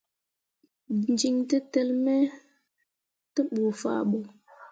Jin tǝtǝlli me tevbu fah ɓo.